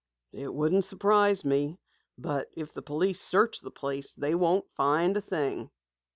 "It wouldn't surprise me. But if the police search the place they won't find a thing."